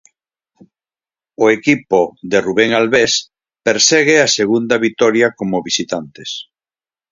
O equipo de Rubén Albés persegue a segunda vitoria como visitantes.